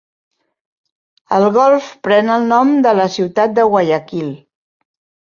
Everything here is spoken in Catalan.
El golf pren el nom de la ciutat de Guayaquil.